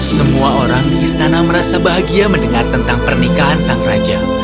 semua orang di istana merasa bahagia mendengar tentang pernikahan sang raja